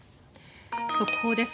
速報です。